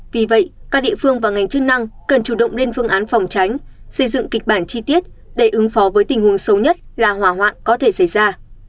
vì vậy các địa phương và ngành chức năng cần chủ động lên phương án phòng tránh xây dựng kịch bản chi tiết để ứng phó với tình huống xấu nhất là hỏa hoạn có thể xảy ra